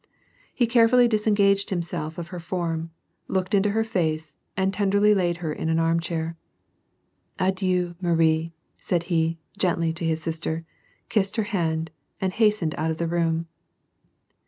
He cai efully disengaged himself of her form, looked into her face, and tenderly laid her in an arm chair. "Adieu, Marie," said he, gently, to his sister, kissed her hand, and hastened out of the room.